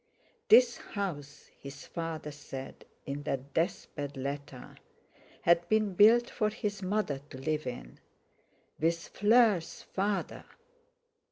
This house his father said in that death bed letter—had been built for his mother to live in—with Fleur's father!